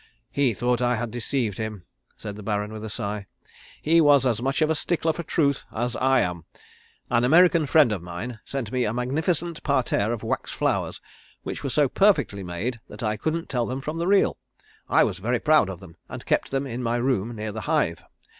"He thought I had deceived him," said the Baron, with a sigh. "He was as much of a stickler for truth as I am. An American friend of mine sent me a magnificent parterre of wax flowers which were so perfectly made that I couldn't tell them from the real. I was very proud of them, and kept them in my room near the hive.